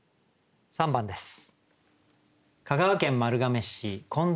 ３番です。